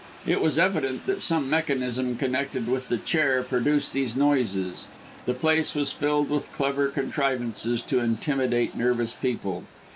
It was evident that some mechanism connected with the chair produced these noises. The place was filled with clever contrivances to intimidate nervous people.